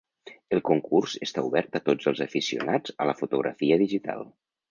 El concurs està obert a tots els aficionats a la fotografia digital.